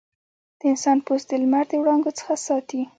د انسان پوست د لمر د وړانګو څخه ساتي.